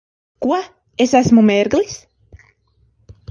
Ko? Es esmu mērglis?